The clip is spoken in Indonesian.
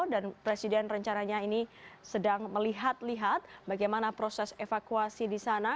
presiden rencananya ini sedang melihat lihat bagaimana proses evakuasi di sana